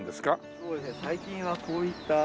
そうですね最近はこういった。